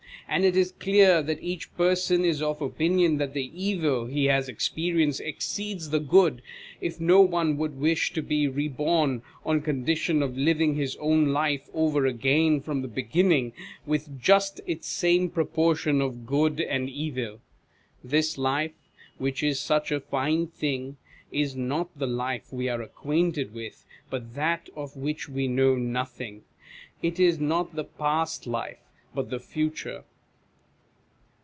And it is clear that each person is of opinion that the evil he has experienced exceeds the good, if no one would wish to be re born on condition of living his own life over again from the beginning, with just its same proportion of good and evil. This life, which is such a fine thing, is not the life we are acquainted with, but that of which we know nothing ; it is not the past life, but the future.